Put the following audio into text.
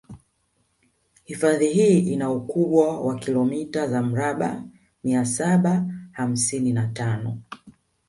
Hifadhi hii ina ukubwa wa kilomita za mraba mia saba hamsini na tano